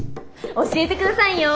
教えてくださいよー。